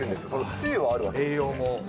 つゆはあるわけですか？